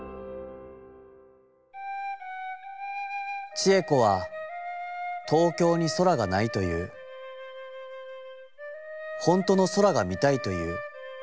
「智恵子は東京に空が無いといふ、ほんとの空が見たいといふ。